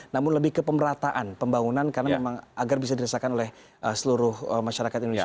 namun lebih ke pemerataan pembangunan karena memang agar bisa dirasakan oleh seluruh masyarakat indonesia